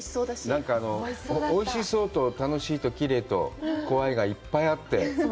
なんか、おいしそうと、楽しいと、きれいと怖いがいっぱいあって。